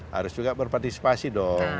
harus juga berpartisipasi dong